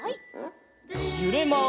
ゆれます。